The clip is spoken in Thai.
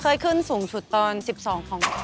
เคยขึ้นสูงสุดตอน๑๒ของ